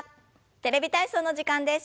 「テレビ体操」の時間です。